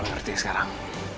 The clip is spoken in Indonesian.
lo ngerti sekarang